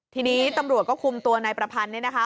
ทีนี้ตำรวจก็คุมตัวนายประพันธ์เนี่ยนะคะ